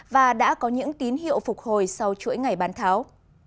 và đã có những tín hiệu phục hồi sau chuỗi ngày bán tháo